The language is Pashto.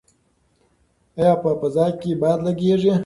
ایا په فضا کې باد لګیږي؟